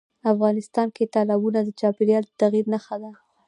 افغانستان کې تالابونه د چاپېریال د تغیر نښه ده.